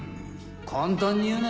簡単に言うな！